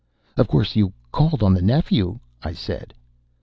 "Of course, you called on the nephew," I said.